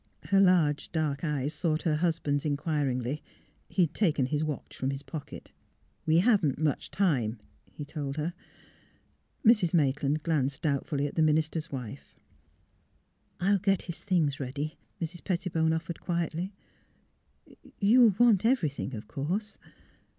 Her large dark eyes sought her husband's in quiringly. He had taken his watch from his pocket. " We haven't much time," he told her. Mrs. Maitland glanced doubtfully at the min ister's wife. " I'll get his things ready," Mrs. Pettibone offered, quietly. '' You — you'll want everything, of course!